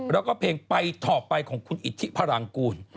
แล้วก็เพลงไปต่อไปของคุณอิทธิพลังกูล